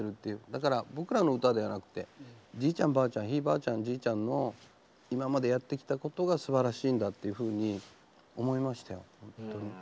だから僕らの歌ではなくてじいちゃんばあちゃんひいばあちゃんじいちゃんの今までやってきたことがすばらしいんだっていうふうに思いましたよ。